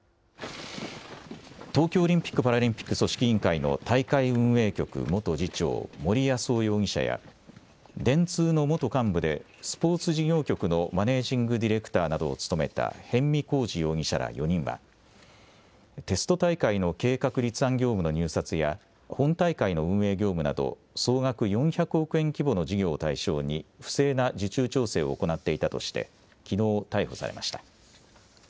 東京オリンピック・パラリンピック組織委員会の大会運営局元次長、森泰夫容疑者や電通の元幹部で、スポーツ事業局のマネージング・ディレクターなどを務めた逸見晃治容疑者ら４人は、テスト大会の計画立案業務の入札や、本大会の運営業務など、総額４００億円規模の事業を対象に、不正な受注調整を行っていたとして、きのう逮捕されました。